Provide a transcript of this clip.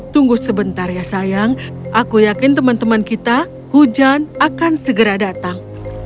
tunggu sebentar ya sayang aku yakin teman teman kita hujan akan segera datang